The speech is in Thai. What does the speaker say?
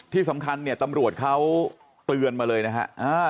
ที่สำคัญเนี่ยตำรวจเขาเตือนมาเลยนะฮะ